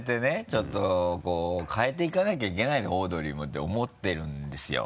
ちょっとこう変えていかなきゃいけないオードリーもて思ってるんですよ。